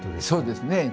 そうですね。